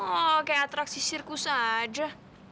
oh kayak atraksi sirkus aja